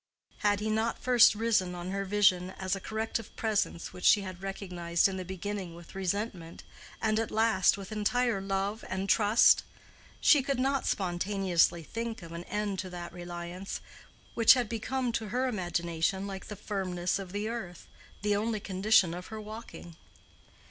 Had he not first risen on her vision as a corrective presence which she had recognized in the beginning with resentment, and at last with entire love and trust? She could not spontaneously think of an end to that reliance, which had become to her imagination like the firmness of the earth, the only condition of her walking.